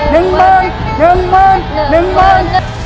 ตัวเลือกที่๔รสชนต้นไม้